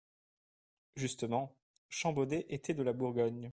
Justement, Champbaudet était de la Bourgogne.